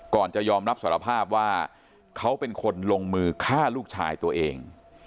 ก่อนจะยอมรับสารภาพว่าเขาเป็นคนลงมือฆ่าลูกชายตัวเอง